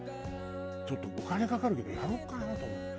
ちょっとお金かかるけどやろうかな？と思って。